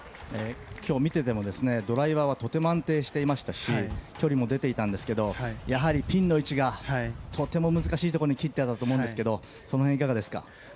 今日、見ててもドライバーはとても安定していましたし距離も出ていたんですけどやはりピンの位置がとても難しいところに切ってあったと思うんですがその辺はいかがですか？